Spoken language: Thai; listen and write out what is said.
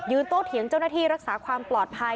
โตเถียงเจ้าหน้าที่รักษาความปลอดภัย